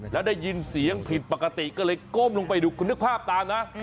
แล้วได้ยินเสียงผิดปกติก็เลยก้มลงไปดูคุณนึกภาพตามนะ